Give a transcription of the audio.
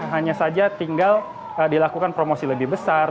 hanya saja tinggal dilakukan promosi lebih besar